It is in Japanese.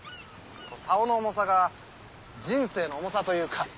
竿の重さが人生の重さというか。